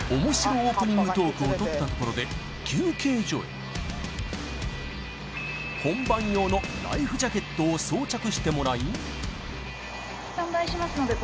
オープニングトークを撮ったところで休憩所へ本番用のライフジャケットを装着してもらい